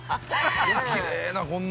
きれいな、こんな。